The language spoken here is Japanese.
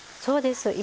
そうです。